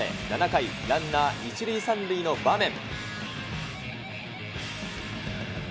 ７回、ランナー１塁３塁の場面。